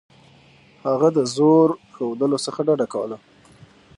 هغه د زور ښودلو څخه ډډه کوله.